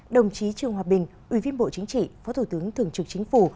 đồng chí trương hòa bình ủy viên bộ chính trị phó thủ tướng thường trực chính phủ